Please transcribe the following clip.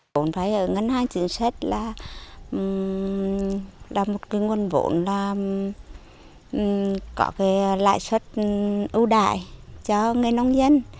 vốn phải ở ngân hàng chiến sách là một cái nguồn vốn là có cái lãi suất ưu đại cho người nông dân